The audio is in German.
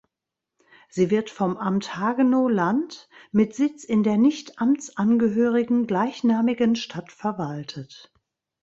Sie wird vom Amt Hagenow-Land mit Sitz in der nicht amtsangehörigen, gleichnamigen Stadt verwaltet.